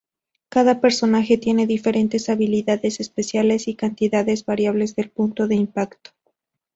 Cada personaje tiene diferentes habilidades especiales y cantidades variables del punto de impacto.